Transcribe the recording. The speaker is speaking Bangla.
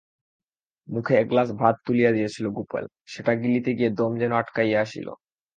মুখে একগ্রাস ভাত তুলিয়াছিল গোপাল, সেটা গিলিতে গিয়ে দম যেন আটকাইয়া আসিল।